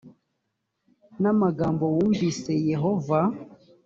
n amagambo wumvise yehova